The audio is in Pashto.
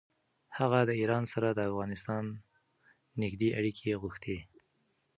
هغه د ایران سره د افغانستان نېږدې اړیکې غوښتې.